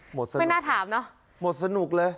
หมดสนุกมันหนาถามเนอะหมดสนุกเลย